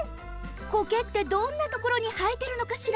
コケってどんなところにはえてるのかしら？